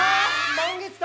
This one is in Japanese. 「満月だ！」